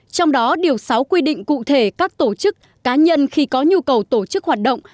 trong đó điều sáu quy định cụ thể các tổ chức cá nhân khi có nhu cầu tổ chức hoạt động